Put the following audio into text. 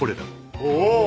おお。